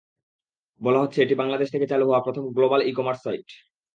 বলা হচ্ছে, এটি বাংলাদেশ থেকে চালু হওয়া প্রথম গ্লোবাল ই-কমার্স সাইট।